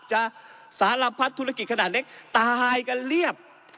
สารพัดธุรกิจขนาดเล็กตายกันเรียบ